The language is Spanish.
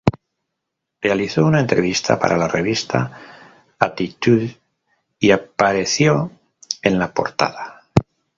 Realizó una entrevista para la revista Attitude y apareció en la portada.